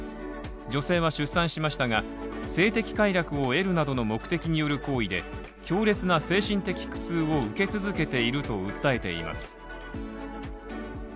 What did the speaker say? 女性は出産しましたが、性的快諾を得るなどの目的による行為で強烈な精神的苦痛を受け続けていると訴えています。